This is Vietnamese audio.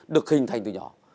được hình thành từ nhỏ